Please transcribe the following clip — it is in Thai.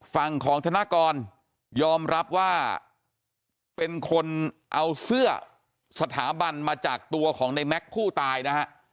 ฝั่งของธนากรยอมรับว่าเป็นคนเอาเสื้อสถาบันมาจากตัวของในแม็กซ์ผู้ตายนะฮะ